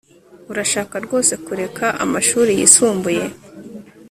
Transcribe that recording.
Urashaka rwose kureka amashuri yisumbuye